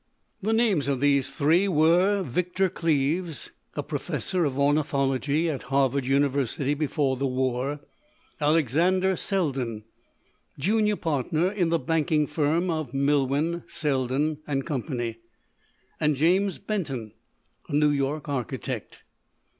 The names of these three were Victor Cleves, a professor of ornithology at Harvard University before the war; Alexander Selden, junior partner in the banking firm of Milwyn, Selden, and Co., and James Benton, a New York architect.